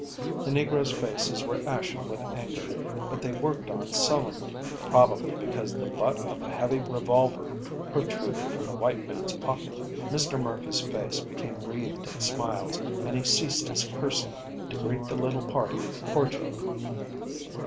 The negroes' faces were ashen with anger, but they worked on sullenly, probably because the butt of a heavy revolver protruded from the white man's pocket. Mr. Murphy's face became wreathed in smiles, and he ceased his cursing to greet the little party cordially.